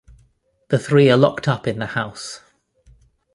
The three are locked up in the House.